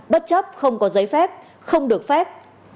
bất chấp không có giấy phép không được phép